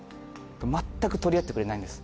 まったく取り合ってくれないんです。